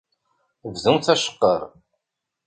Bdumt aceqqer.